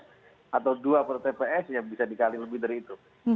tps atau dua pertanyaan tps ya bisa dikali lebih dari itu